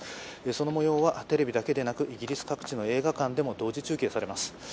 そのもようは、テレビだけでなくイギリス各地の映画館でも同時中継されます。